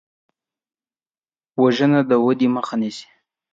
وژنه د ودې مخه نیسي